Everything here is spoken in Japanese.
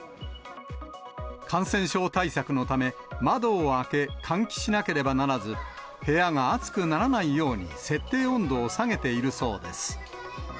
感染症対策のため、窓を開け、換気しなければならず、部屋が暑くならないように設定温度を下げているそうです。